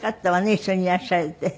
一緒にいらっしゃれて。